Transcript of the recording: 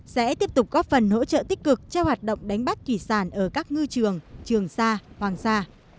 sẽ tiếp tục góp phần hỗ trợ tích cực cho hoạt động đánh bắt kỳ sản ở các ngư trường trường xa hoàng xa